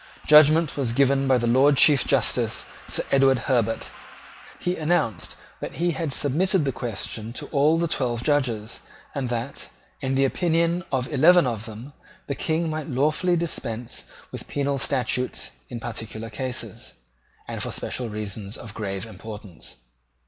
Judgment was given by the Lord Chief Justice, Sir Edward Herbert. He announced that he had submitted the question to all the twelve Judges, and that, in the opinion of eleven of them, the King might lawfully dispense with penal statutes in particular cases, and for special reasons of grave importance.